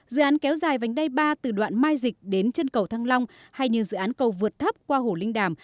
dự án kéo dài vành đai ba từ đoạn mai dịch đến chân cầu thăng long hay như dự án cầu vượt thấp qua hồ linh đàm